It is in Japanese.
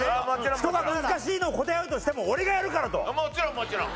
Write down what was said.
人が難しいのを答えようとしても「俺がやるから！」と。もちろんもちろん。